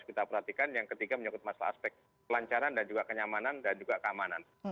kita perhatikan yang ketiga menyangkut masalah aspek kelancaran dan juga kenyamanan dan juga keamanan